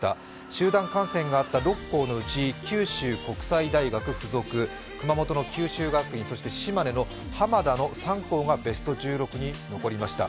集団感染があった６校のうち、九州国際大学付属、熊本の九州学院そして島根の浜田の３校がベスト１６に残りました。